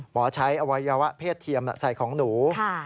หมอใช้อวัยวะเพศเทียมใส่ของหนู